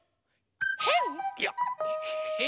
へん？